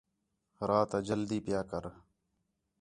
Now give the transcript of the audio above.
رات آ جلدی پیا کر